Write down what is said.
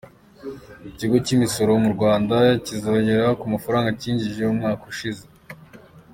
Ikigo kimisoro Murwanda Cy izongera ku mafaranga kinjije umwaka ushize